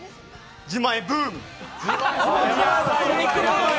自前ブーム！